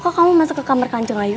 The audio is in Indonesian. kok kamu masuk ke kamar kanjeng ayu